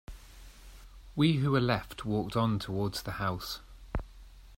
We who were left walked on towards the house.